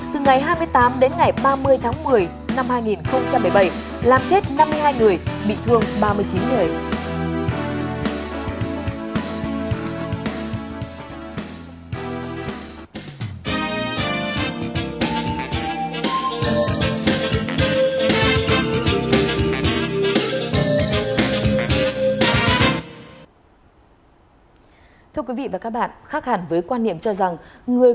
từ ngày hai mươi tám đến ngày ba mươi tháng một mươi năm hai nghìn một mươi bảy làm chết năm mươi hai người bị thương ba mươi chín người